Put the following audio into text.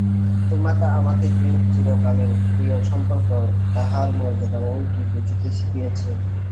তোমাতে আমাতে যে চিরকালের প্রিয়সম্পর্ক তাহার মর্যাদা ও কি বুঝিতে শিখিয়াছে।